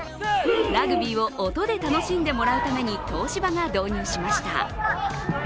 ラグビーを音で楽しんでもらうために東芝が導入しました。